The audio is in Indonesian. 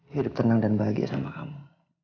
hidup tenang dan bahagia sama kamu